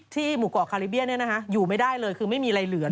หมู่เกาะคาริเบียอยู่ไม่ได้เลยคือไม่มีอะไรเหลือ